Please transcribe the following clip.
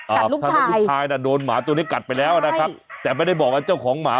ทำให้ลูกชายน่ะโดนหมาตัวเนี้ยกัดไปแล้วอ่ะนะครับแต่ไม่ได้บอกว่าเจ้าของหมา